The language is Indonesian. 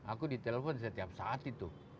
aku ditelepon setiap saat itu